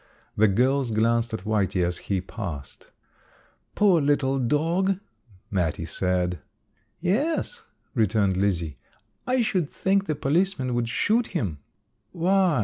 The girls glanced at Whitey as he passed. "Poor little dog!" Mattie said. "Yes," returned Lizzie, "I should think the policeman would shoot him." "Why?"